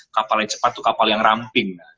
kapal yang cepat itu kapal yang ramping